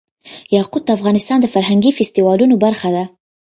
یاقوت د افغانستان د فرهنګي فستیوالونو برخه ده.